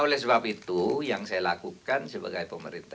oleh sebab itu yang saya lakukan sebagai pemerintah